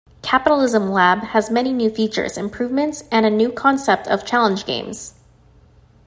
"Capitalism Lab" has many new features, improvements and a new concept of challenge games.